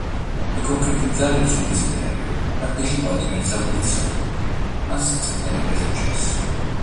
Per concretizzare il suo desiderio, partecipò a diverse audizioni, ma senza ottenere successo.